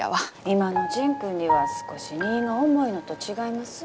今の甚君には少し荷が重いのと違います？